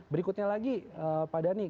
berikutnya lagi pada nih